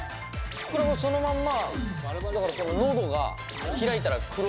これそのまんま。